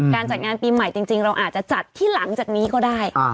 การจัดงานปีใหม่จริงเราอาจจะจัดที่หลังจากนี้ก็ได้